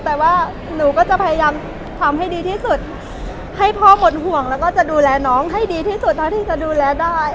แต่ว่าหนูก็จะพยายามทำให้ดีที่สุดให้พ่อหมดห่วงแล้วก็จะดูแลน้องให้ดีที่สุดเท่าที่จะดูแลได้